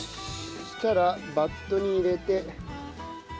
そしたらバットに入れて。